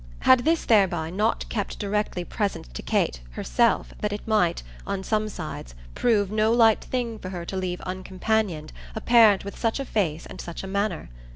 Had this thereby not kept directly present to Kate her self that it might, on some sides, prove no light thing for her to leave uncompanion'd a parent with such a face and such a manner?